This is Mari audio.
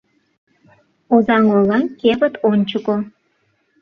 Озаҥ ола кевыт ончыко.